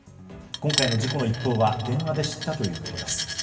今回の事故の一報は電話で知ったということです。